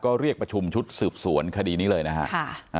ก็เรียกประชุมชุดสืบสวนคดีนี้เลยนะครับ